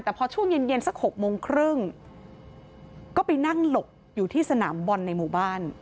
แต่พอช่วงเย็นเย็นสัก๖โมงครึ่งก็ไปนั่งหลบอยู่ที่สนามบอลในหมู่บ้าน